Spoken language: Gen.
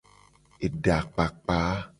Edakpakpa.